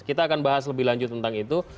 kita akan bahas lebih lanjut tentang itu